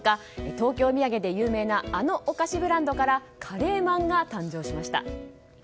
東京土産で有名なあのお菓子ブランドからカレーまんが誕生しました。